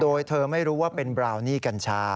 โดยเธอไม่รู้ว่าเป็นบราวนี่กัญชา